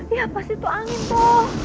iya pasti tuh angin kok